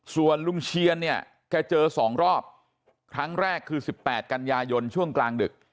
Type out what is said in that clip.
ส่วนลุงเชียนเนี่ยแกเจอ๒รอบครั้งแรกคือ๑๘กันยายนช่วงกลางดึก